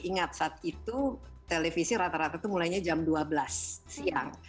ingat saat itu televisi rata rata itu mulainya jam dua belas siang